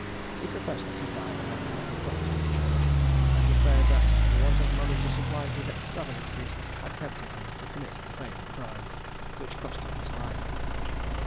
He professed that he died a member of the Protestant church; and declared that the want of money to supply his extravagances had tempted him to commit the fatal crime, which cost him his life.